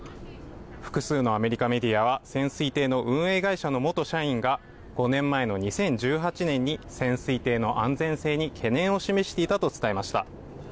複数のアメリカメディアは、潜水艇の運営会社の元社員が、５年前の２０１８年に潜水艇の安全性に懸念を示していたと伝えました。